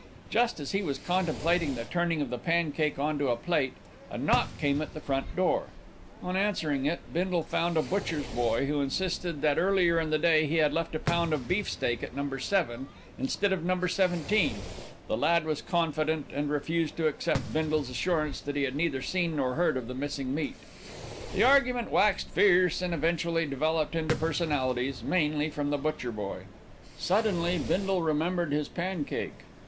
Just as he was contemplating the turning of the pancake on to a plate, a knock came at the front door. On answering it, Bindle found a butcher's boy, who insisted that earlier in the day he had left a pound of beef steak at No. 7, instead of at No. 17. The lad was confident, and refused to accept Bindle's assurance that he had neither seen nor heard of the missing meat. The argument waxed fierce and eventually developed into personalities, mainly from the butcher boy. Suddenly Bindle remembered his pancake.